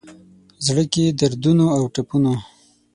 زړه کي دردونو اوټپونو،